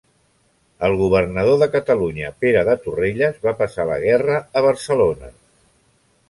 El governador de Catalunya Pere de Torrelles va passar la guerra a Barcelona.